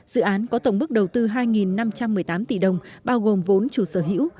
dự án có tổng mức đầu tư hai năm trăm một mươi tám tỷ đồng bao gồm vốn chủ sở hữu